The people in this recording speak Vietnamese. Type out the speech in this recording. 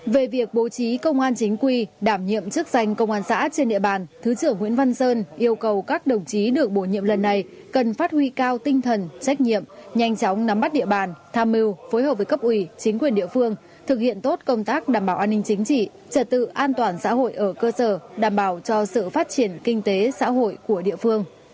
về việc bố trí công an chính quy đảm nhiệm chức danh công an xã trên địa bàn thứ trưởng nguyễn văn sơn yêu cầu các đồng chí được bổ nhiệm lần này cần phát huy cao tinh thần trách nhiệm nhanh chóng nắm bắt địa bàn tham mưu phối hợp với cấp ủy chính quyền địa phương thực hiện tốt công tác đảm bảo an ninh chính trị trật tự an toàn xã hội ở cơ sở đảm bảo cho sự phát triển kinh tế xã hội của địa phương